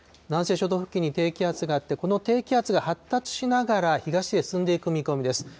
南西諸島付近に低気圧があって、この低気圧が発達しながら東へ進んでいく見込みです。